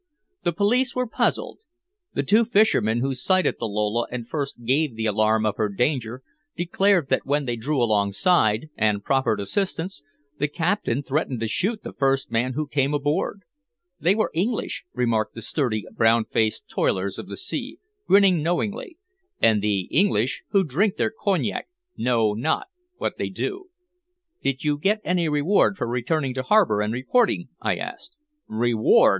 The police were puzzled. The two fishermen who sighted the Lola and first gave the alarm of her danger, declared that when they drew alongside and proffered assistance the captain threatened to shoot the first man who came aboard. "They were English!" remarked the sturdy, brown faced toilers of the sea, grinning knowingly. "And the English, when they drink their cognac, know not what they do." "Did you get any reward for returning to harbor and reporting?" I asked. "Reward!"